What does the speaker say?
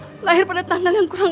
adalah perubahan yang saya lakukan